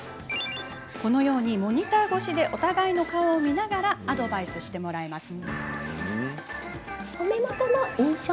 このようにモニター越しでお互いの顔を見ながらアドバイスしてもらえます。